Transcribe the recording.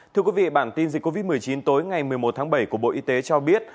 thưa quý vị bản tin dịch covid một mươi chín tối ngày một mươi một tháng bảy của bộ y tế cho biết